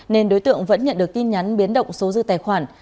nên đối tượng vẫn nhận được tin nhắn biến động số dư tài khoản